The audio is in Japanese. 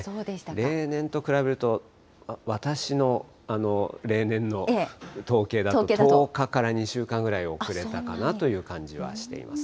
例年と比べると、私の例年の統計だと１０日から２週間ぐらい遅れたかなという感じはしています。